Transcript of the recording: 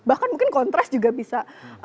bahkan mungkin kontras juga bisa